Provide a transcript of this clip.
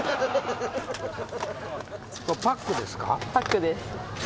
パックです。